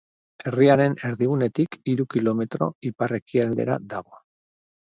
Herriaren erdigunetik hiru kilometro ipar-ekialdera dago.